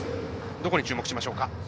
どこに注目しましょうか？